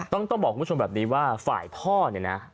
ต้องบอกคุณผู้ชมแบบนี้ว่าฝ่ายพ่อเนี่ยนะ